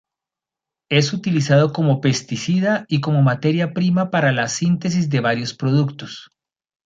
Es utilizado como pesticida y como materia prima para la síntesis de varios productos.